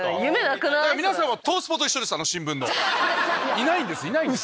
いないんですいないんです。